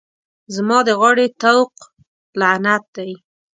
زما د غاړې طوق لعنت دی.